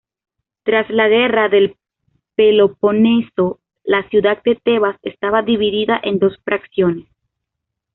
Tras la Guerra del Peloponeso, la ciudad de Tebas estaba dividida en dos facciones.